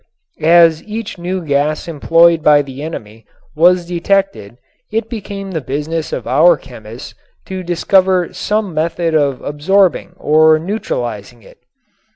As each new gas employed by the enemy was detected it became the business of our chemists to discover some method of absorbing or neutralizing it.